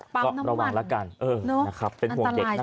ปั๊บน้ำมันเป็นห่วงเด็กนะครับ